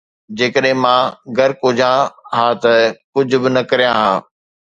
جيڪڏهن مان غرق هجان ها ته ڪجهه به نه ڪريان ها